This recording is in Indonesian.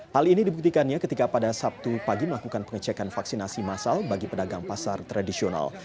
hal ini dibuktikannya ketika pada sabtu pagi melakukan pengecekan vaksinasi masal bagi pedagang pasar tradisional